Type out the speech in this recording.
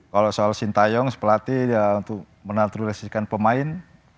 kalau soal sintayong pelatih untuk menatrisikan pemain